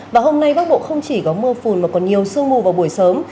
và hôm nay bắc bộ không chỉ có mưa phùn mà còn nhiều sương mù vào buổi sớm